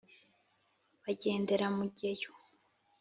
bagendera mugeyo .